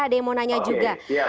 ada yang mau nanya juga